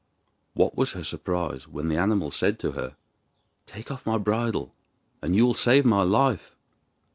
What was her surprise when the animal said to her: 'Take off my bridle and you will save my life.